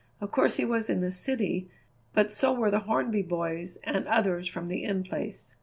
Of course he was in the city, but so were the Hornby boys and others from the In Place.